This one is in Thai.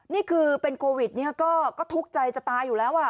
นี่คือเป็นโควิดก็ทุกข์ใจจะตายอยู่แล้ว